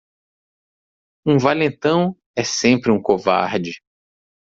Um valentão é sempre um covarde.